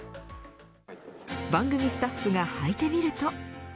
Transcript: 番組スタッフが履いてみると。